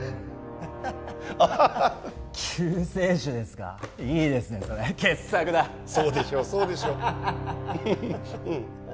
ハハハアハハハ救世主ですかいいですねそれ傑作だそうでしょうそうでしょうハハハハハハ